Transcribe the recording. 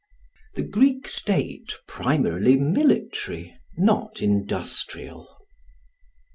The Greek State Primarily Military, not Industrial.